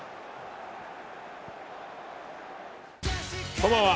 こんばんは。